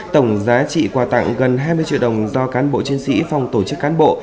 tổng giá trị quà tặng gần hai mươi triệu đồng do cán bộ chiến sĩ phòng tổ chức cán bộ